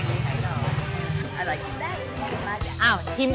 อื้ม